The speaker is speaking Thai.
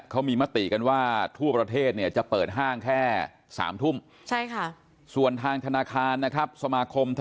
เขามีมติกันว่าทั่วประเทศเนี่ยจะเปิดห้างแค่๓ทุ่ม